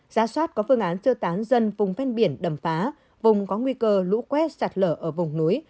giá soát có phương án sơ tán dân vùng ven biển đầm phá vùng có nguy cơ lũ quét sạt lở ở vùng núi